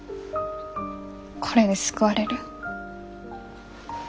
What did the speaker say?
これで救われる？